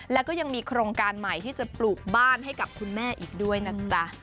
แล้วก็ยังมีโครงการใหม่ที่จะปลูกบ้านให้กับคุณแม่อีกด้วยนะจ๊ะ